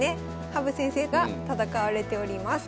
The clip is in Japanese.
羽生先生が戦われております。